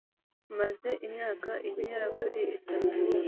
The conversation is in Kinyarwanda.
maze imyaka igera kuri itatu